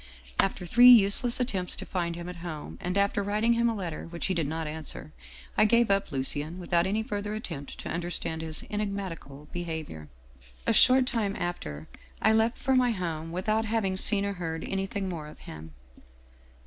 " After three useless attempts to find him at home, and after writing him a letter which he did not answer, I gave up Lucien without any further attempt to understand his enigmatical behavior. A short time after, I left for my home without having seen or heard anything more of him.